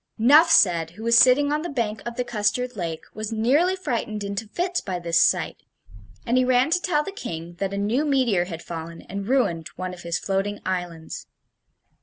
Nuphsed, who was sitting on the bank of the custard lake, was nearly frightened into fits by this sight; and he ran to tell the King that a new meteor had fallen and ruined one of his floating islands.